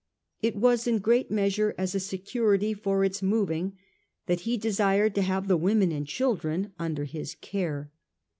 It was in great measure as a security for its moving that he desired to have the women and children under his care.